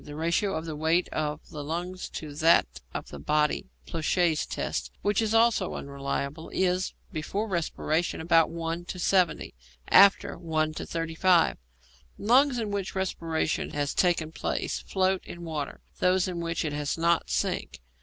The ratio of the weight of the lungs to that of the body (Ploucquet's test), which is also unreliable, is, before respiration, about 1 to 70; after, 1 to 35. Lungs in which respiration has taken place float in water; those in which it has not, sink.